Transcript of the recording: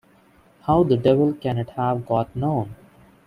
How the devil can it have got known?